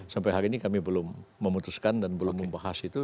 sampai hari ini kami belum memutuskan dan belum membahas itu